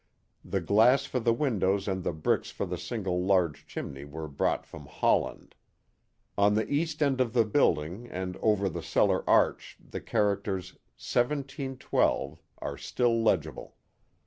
The glass for the windows and the bricks for the single large chimney were brought from Holland. On the east end of the building and over the cellar arch the characters 1712 " are still legible.